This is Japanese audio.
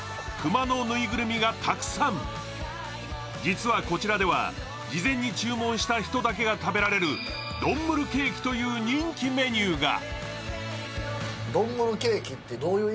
実はこちらでは、事前に注文した人だけが食べられるドンムルケーキという人気メニューが。